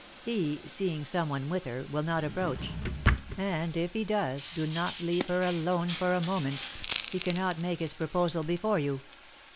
He, seeing some one with her, will not approach; and if he does, do not leave her alone for a moment. He cannot make his proposal before you."